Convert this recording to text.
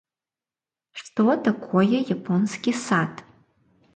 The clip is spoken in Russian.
что такое японский сад,